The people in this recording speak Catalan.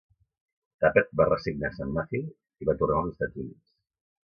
Tappert va resignar a Saint Matthew i va tornar als Estats Units.